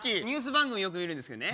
番組よく見るんですけどね。